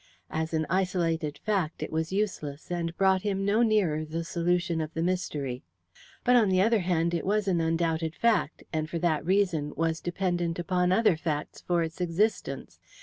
As an isolated fact, it was useless, and brought him no nearer the solution of the mystery. But, on the other hand, it was an undoubted fact, and, for that reason, was dependent upon other facts for its existence.